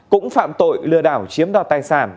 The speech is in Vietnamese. cũng phạm tội lừa đảo chiếm đạt tài sản